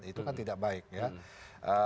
itu kan tidak baik ya